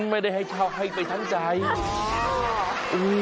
แอ๋อไม่ได้ให้เช่าให้ไปทั้งใจอ้าะ